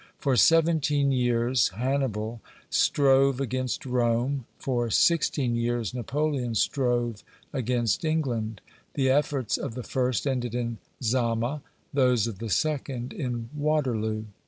For seventeen years Hannibal strove against Rome, for sixteen years Napoleon strove against England; the efforts of the first ended in Zama, those of the second in Waterloo."